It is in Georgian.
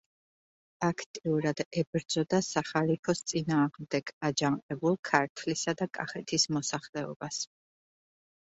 აქტიურად ებრძოდა სახალიფოს წინააღმდეგ აჯანყებულ ქართლისა და კახეთის მოსახლეობას.